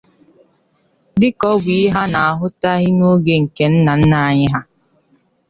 Dịka ọ bụ ihe a na-ahutaghị n'oge nke nna nna anyị ha